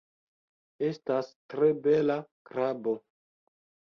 Estas tre bela krabo